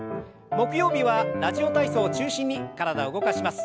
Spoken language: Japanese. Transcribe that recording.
木曜日は「ラジオ体操」を中心に体を動かします。